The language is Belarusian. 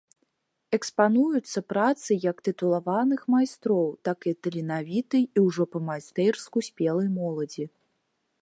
Экспануюцца працы як тытулаваных майстроў, так і таленавітай і ўжо па-майстэрску спелай моладзі.